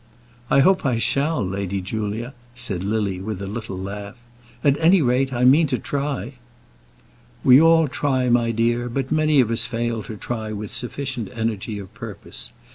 "I hope I shall, Lady Julia," said Lily, with a little laugh; "at any rate I mean to try." "We all try, my dear, but many of us fail to try with sufficient energy of purpose.